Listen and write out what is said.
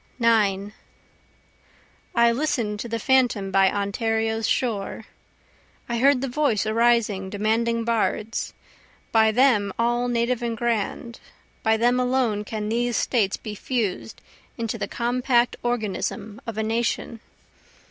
9 I listened to the Phantom by Ontario's shore, I heard the voice arising demanding bards, By them all native and grand, by them alone can these States be fused into the compact organism of a Nation.